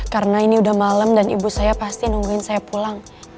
karena ini udah malem dan ibu saya pasti nungguin saya pulang